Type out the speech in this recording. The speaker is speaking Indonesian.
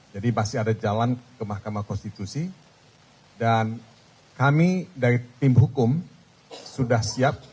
jadi masih ada jalan ke mahkamah konstitusi dan kami dari tim hukum sudah siap